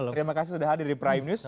terima kasih sudah hadir di prime news